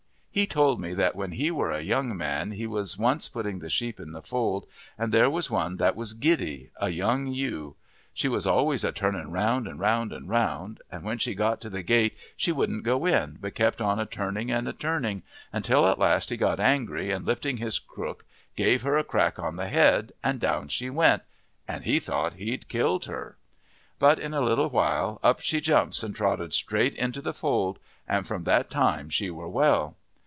He told me that when he were a young man he was once putting the sheep in the fold, and there was one that was giddy a young ewe. She was always a turning round and round and round, and when she got to the gate she wouldn't go in but kept on a turning and turning, until at last he got angry and, lifting his crook, gave her a crack on the head, and down she went, and he thought he'd killed her. But in a little while up she jumps and trotted straight into the fold, and from that time she were well.